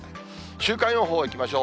週間予報いきましょう。